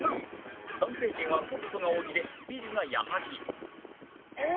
男性陣はトップが小木でビリが矢作